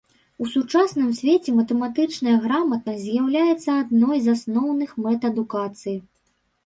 У сучасным свеце матэматычная граматнасць з'яўляецца адной з асноўных мэт адукацыі.